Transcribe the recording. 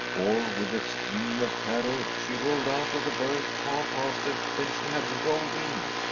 For, with a scream of terror, she rolled out of the berth far faster than she had rolled in.